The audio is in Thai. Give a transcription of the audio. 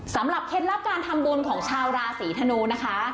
เคล็ดลับการทำบุญของชาวราศีธนูนะคะ